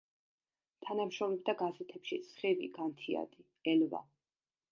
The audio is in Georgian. თანამშრომლობდა გაზეთებში: „სხივი“, „განთიადი“, „ელვა“.